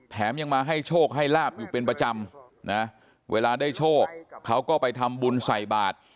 ยังมาให้โชคให้ลาบอยู่เป็นประจำนะเวลาได้โชคเขาก็ไปทำบุญใส่บาท